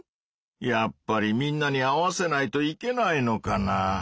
やっぱりみんなに合わせないといけないのかな？